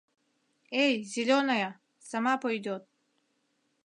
Эй, зелёная, сама пойдёт